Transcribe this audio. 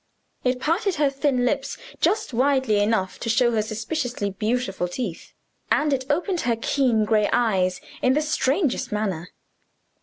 It parted her thin lips just widely enough to show her suspiciously beautiful teeth; and it opened her keen gray eyes in the strangest manner.